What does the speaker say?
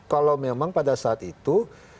kalau memang pada saat itu